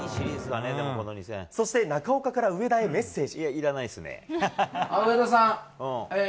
そして、中岡から上田へメッセージ。